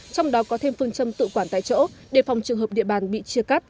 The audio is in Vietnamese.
trong đó có thêm phương châm tự quản tại chỗ để phòng trường hợp địa bàn bị chia cắt